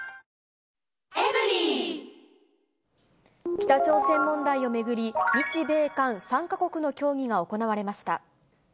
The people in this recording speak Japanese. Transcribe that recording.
北朝鮮問題を巡り、日米韓３か国の協議が行われました。